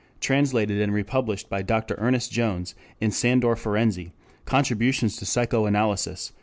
Translated and republished by Dr. Ernest Jones in S. Ferenczi, Contributions to Psychoanalysis, Ch.